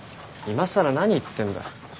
今更何言ってんだ。